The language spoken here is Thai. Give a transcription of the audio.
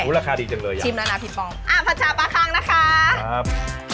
ราคาดีจังเลยอยากชิมแล้วนะพี่ปองอ่าผัดชาปลาคังนะคะครับ